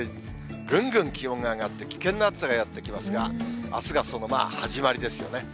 ぐんぐん気温が上がって危険な暑さがやって来ますが、あすがその始まりですよね。